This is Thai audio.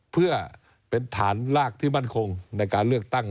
เพื่อเป็นฐานรากที่มั่นคงในการเลือกตั้ง